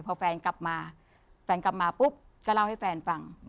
พอแฟนกลับมาจันกลับมาปุ๊บก็เล่าให้แฟนฟัง